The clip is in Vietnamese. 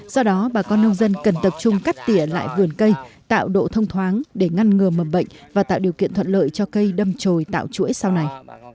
do đó bà con nông dân cần tập trung cắt tỉa lại vườn cây tạo độ thông thoáng để ngăn ngừa mầm bệnh và tạo điều kiện thuận lợi cho cây đâm trồi tạo chuỗi sau này